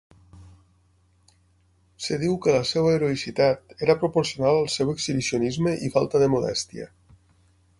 Es diu que la seva heroïcitat era proporcional al seu exhibicionisme i falta de modèstia.